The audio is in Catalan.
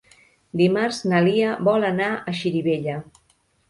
Dimarts na Lia vol anar a Xirivella.